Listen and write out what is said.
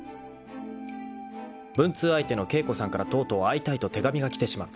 ［文通相手の景子さんからとうとう「会いたい」と手紙が来てしまった］